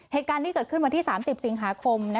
เหตุการณ์นี้เกิดขึ้นวันที่๓๐สิงหาคม